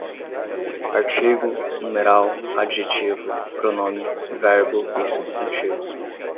Artigo, numeral, adjetivo, pronome, verbo e substantivo